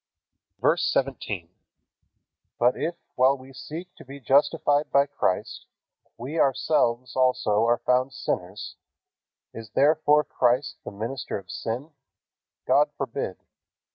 VERSE 17. But if, while we seek to be justified by Christ, we ourselves also are found sinners, is therefore Christ the minister of sin? God forbid.